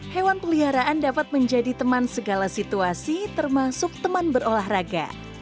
hewan peliharaan dapat menjadi teman segala situasi termasuk teman berolahraga